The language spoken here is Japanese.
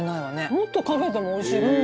美穂：もっとかけてもおいしい。